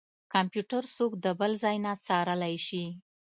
کمپيوټر څوک د بل ځای نه څارلی شي.